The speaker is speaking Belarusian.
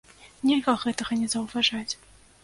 Нельга гэтага не заўважаць!